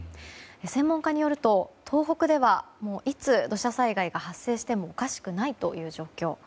専門家によると東北ではいつ土砂災害が発生してもおかしくないという状況。